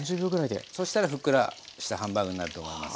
そしたらふっくらしたハンバーグになると思います。